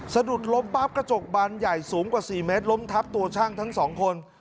สะดุดล้มปั๊บกระจกบานใหญ่สูงกว่า๔เมตรล้มทับตัวช่างทั้งสองคน